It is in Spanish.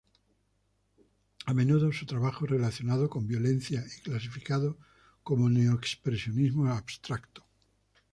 A menudo su trabajo es relacionado con violencia y clasificado como "neo-expresionismo abstracto".